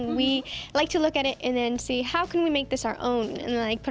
kami suka melihatnya dan melihat bagaimana kita bisa membuatnya sendiri